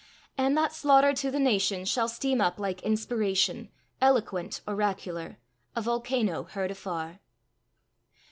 And that slaughter to the Nation Shall steam up like inspiration, Eloquent, oracular A volcano heard afar.